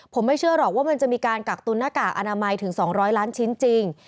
ผมไม่เชื่อหรอกว่ามันจะมีการกักตุนหน้ากากอนามัยถึง๒๐๐ล้านชิ้นจริง